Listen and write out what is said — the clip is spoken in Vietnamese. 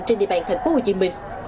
trên địa bàn tp hcm